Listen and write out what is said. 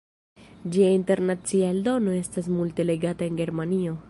Ĝia internacia eldono estas multe legata en Germanio.